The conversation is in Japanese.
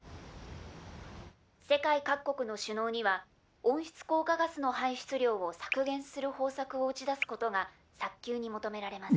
「世界各国の首脳には温室効果ガスの排出量を削減する方策を打ち出すことが早急に求められます」。